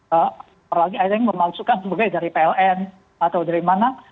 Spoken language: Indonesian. apalagi ada yang memalsukan sebagai dari pln atau dari mana